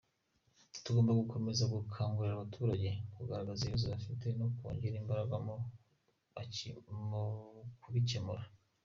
Tugomba gukomeza gukangurira abaturage kugaragaza ibibazo bafite no kongera imbaraga mu kubikemura.